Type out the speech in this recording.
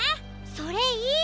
それいい！